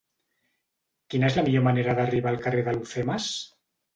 Quina és la millor manera d'arribar al carrer d'Alhucemas?